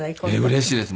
うれしいです。